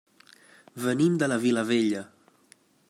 Venim de la Vilavella.